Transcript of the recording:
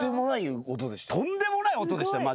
とんでもない音でしたよマジで。